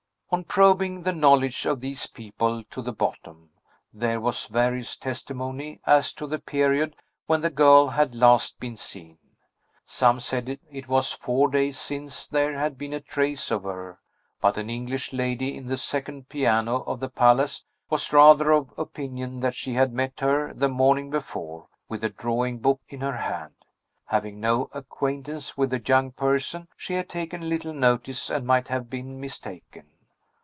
On probing the knowledge of these people to the bottom, there was various testimony as to the period when the girl had last been seen. Some said that it was four days since there had been a trace of her; but an English lady, in the second piano of the palace, was rather of opinion that she had met her, the morning before, with a drawing book in her hand. Having no acquaintance with the young person, she had taken little notice and might have been mistaken.